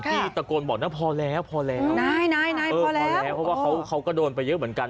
ที่ตะโกนบอกน่ะพอแล้วพอแล้วพอแล้วเพราะว่าเขากระโดนไปเยอะเหมือนกัน